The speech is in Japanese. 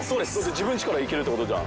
自分ちから行けるってことじゃん。